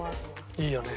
いいよね。